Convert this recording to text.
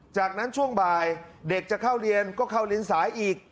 จากนั้นช่วงบ่ายเด็กจะเข้าเรียนก็เข้าลิ้นสายอีก